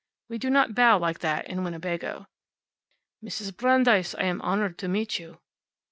We do not bow like that in Winnebago. "Mrs. Brandeis, I am honored to meet you."